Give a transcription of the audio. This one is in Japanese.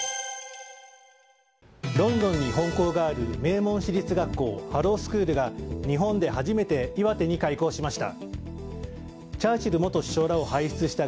ロンドンに本校がある名門私立学校、ハロウスクールが日本で初めて岩手に開校しました。